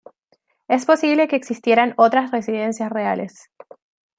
Es posible que existieran otras residencias reales.